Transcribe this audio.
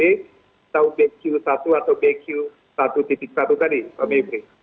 atau bq satu atau bq satu satu tadi pak mebri